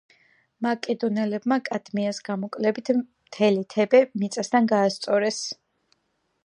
მაკედონელებმა კადმეას გამოკლებით მთელი თებე მიწასთან გაასწორეს.